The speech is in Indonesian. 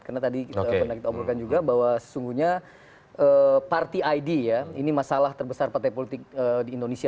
karena tadi kita pernah kita omongkan juga bahwa sesungguhnya party id ya ini masalah terbesar partai politik di indonesia